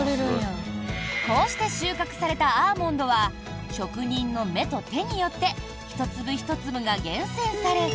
こうして収穫されたアーモンドは職人の目と手によって１粒１粒が厳選され。